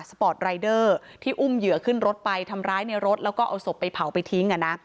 ปอร์ตรายเดอร์ที่อุ้มเหยื่อขึ้นรถไปทำร้ายในรถแล้วก็เอาศพไปเผาไปทิ้ง